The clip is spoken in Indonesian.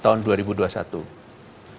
tetapi juga menunggu keadaan negara indonesia